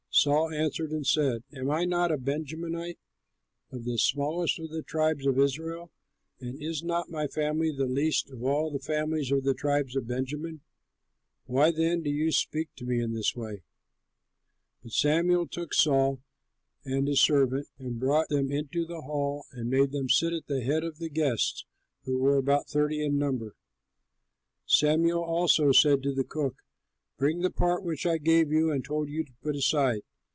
Saul answered and said, "Am I not a Benjamite, of the smallest of the tribes of Israel, and is not my family the least of all the families of the tribe of Benjamin? Why then do you speak to me in this way?" But Samuel took Saul and his servant and brought them into the hall and made them sit at the head of the guests (who were about thirty in number). Samuel also said to the cook, "Bring the part which I gave you and told you to put aside."